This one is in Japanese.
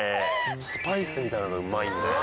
スパイスみたいなのがうまいんだよね。